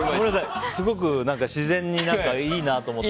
すごく自然にいいなと思って。